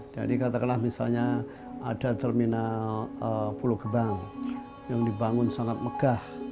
jadi katakanlah misalnya ada terminal pulau gebang yang dibangun sangat megah